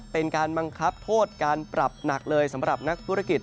เป็นการบังคับโทษการปรับหนักเลยสำหรับนักธุรกิจ